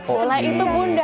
bola itu bunda